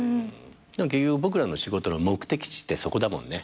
結局僕らの仕事の目的地ってそこだもんね。